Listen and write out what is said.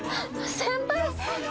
先輩！